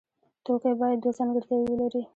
توکی باید دوه ځانګړتیاوې ولري.